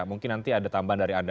mungkin nanti ada tambahan dari anda